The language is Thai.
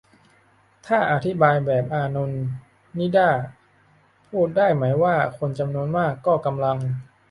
ถ้าอธิบายแบบอานนท์นิด้า พูดได้ไหมว่า คนจำนวนมากก็กำลัง